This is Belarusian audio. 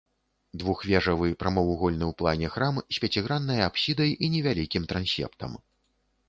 Двухвежавы прамавугольны ў плане храм з пяціграннай апсідай і невялікім трансептам.